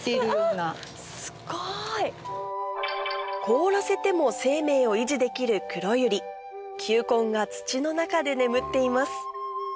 すごい！凍らせても生命を維持できるクロユリ球根が土の中で眠っています